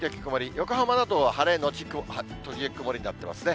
横浜などは晴れ時々曇りになってますね。